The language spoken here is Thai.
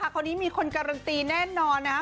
คนนี้มีคนกัรนตีแน่นอนนะฮะ